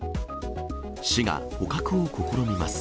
市が捕獲を試みます。